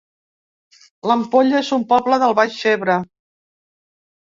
L'Ampolla es un poble del Baix Ebre